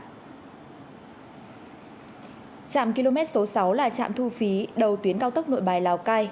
trạm km số sáu là trạm thu phí đầu tuyến cao tốc nội bài lào cai